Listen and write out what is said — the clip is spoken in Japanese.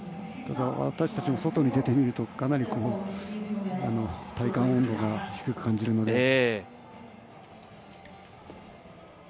私たちも外に出てみるとかなり体感温度が低く感じるので。